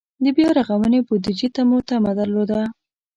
د بیا رغونې بودجې ته مو تمه درلوده.